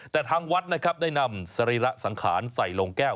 แต่ทางวัดนะครับได้นำสรีระสังขารใส่โรงแก้ว